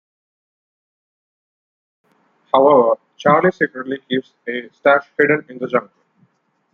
However, Charlie secretly keeps a stash hidden in the jungle.